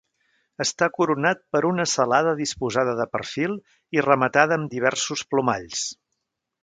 Està coronat per una celada disposada de perfil i rematada amb diversos plomalls.